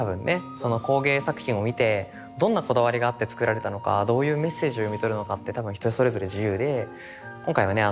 その工芸作品を見てどんなこだわりがあって作られたのかどういうメッセージを読み取るのかって多分人それぞれ自由で今回はね